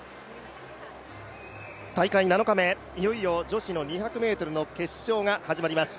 大会７日目、いよいよ女子２００ｍ決勝が始まります。